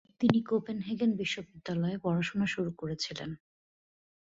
তিনি কোপেনহেগেন বিশ্ববিদ্যালয়ে পড়াশোনা শুরু করেছিলেন।